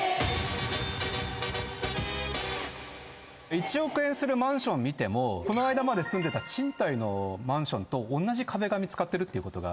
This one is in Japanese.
１億円するマンション見てもこの間まで住んでた賃貸のマンションとおんなじ壁紙使ってるってことがありますので。